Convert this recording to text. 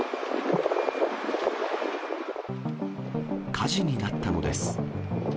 火事になったのです。